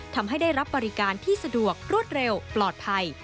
ทำให้ได้รับบริการที่สะดวกรวดเร็วปลอดภัย